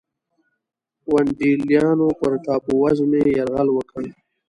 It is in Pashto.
ونډالیانو پر ټاپو وزمې یرغل وکړ.